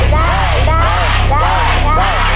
ได้